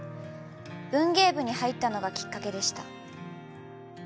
文芸部に入ったのがきっかけでした。